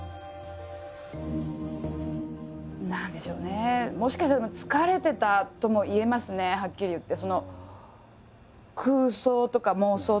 何でしょうねもしかしたら疲れてたとも言えますねはっきり言って。